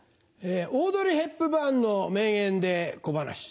オードリー・ヘプバーンの名言で小噺。